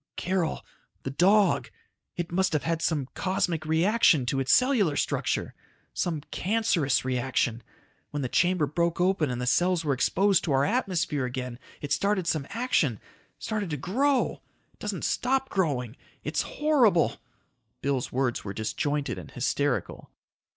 "Carol ... the dog ... it must have had some cosmic reaction to its cellular structure ... some cancerous reaction ... when the chamber broke open and the cells were exposed to our atmosphere again it started some action ... started to grow ... doesn't stop growing ... it's horrible ..." Bill's words were disjointed and hysterical.